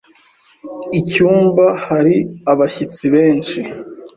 Icyumba hari abashyitsi benshi.